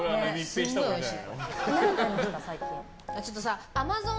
すんごいおいしい。